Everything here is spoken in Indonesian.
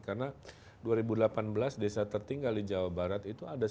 karena dua ribu delapan belas desa tertinggal di jawa barat itu ada seribu mbak